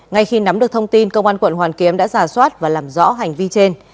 ngay khi nắm được thông tin công an quận hoàn kiếm đã giả soát và làm rõ hành vi trên